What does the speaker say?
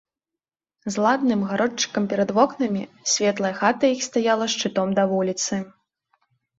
З ладным гародчыкам перад вокнамі, светлая хата іх стаяла шчытом да вуліцы.